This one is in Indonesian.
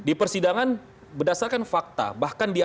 nah di persidangan berdasarkan fakta bahkan diakui